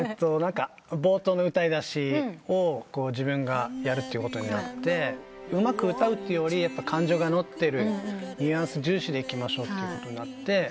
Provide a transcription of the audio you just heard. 冒頭の歌いだしを自分がやるということになってうまく歌うというよりやっぱ感情が乗ってるニュアンス重視でいきましょうってことになって。